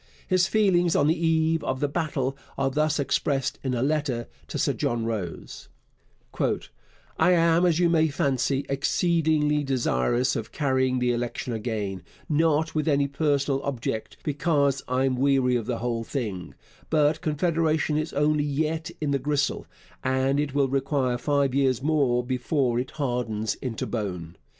His feelings on the eve of the battle are thus expressed in a letter to Sir John Rose: I am, as you may fancy, exceedingly desirous of carrying the election again; not with any personal object, because I am weary of the whole thing, but Confederation is only yet in the gristle, and it will require five years more before it hardens into bone.